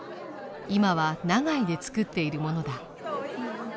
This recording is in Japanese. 今は長井で造っているものだ。